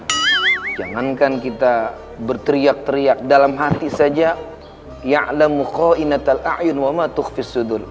sedangkan kita berteriak teriak dalam hati saja ya'lamuqo inattal a'yun wa matukh fissudul